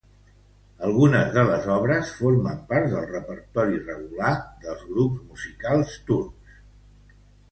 Algunes de les obres formen part del repertori regular dels grups musicals turcs.